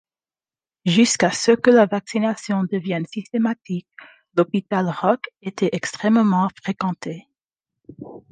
Jusqu'à ce que la vaccination devienne systématique, l'hôpital Rock était extrêmement fréquenté.